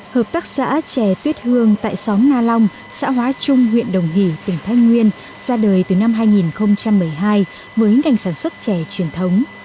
hợp tác xã trẻ tuyết hương tại xóm na long xã hóa trung huyện đồng hỷ tỉnh thái nguyên ra đời từ năm hai nghìn một mươi hai với ngành sản xuất chè truyền thống